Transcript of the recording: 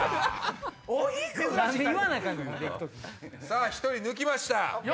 さぁ１人抜きました。